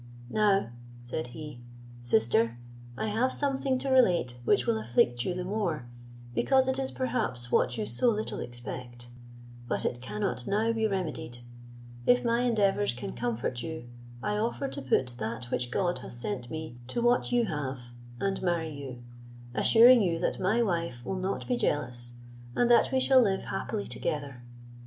"Now," said he, "sister, I have something to relate which will afflict you the more, because it is perhaps what you so little expect; but it cannot now be remedied; if my endeavours can comfort you, I offer to put that which God hath sent me to what you have, and marry you: assuring you that my wife will not be jealous, and that we shall live happily together.